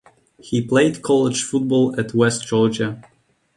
He played college football at West Georgia.